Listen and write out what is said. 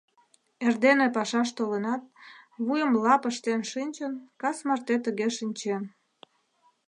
Эрдене пашаш толынат, вуйым лап ыштен шинчын, кас марте тыге шинчен.